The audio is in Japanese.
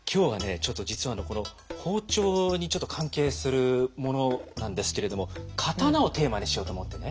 ちょっと実はこの包丁に関係するものなんですけれども刀をテーマにしようと思ってね。